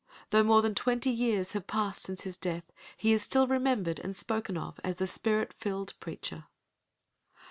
Though more than twenty years have passed since his death, he is still remembered and spoken of as the Spirit filled preacher.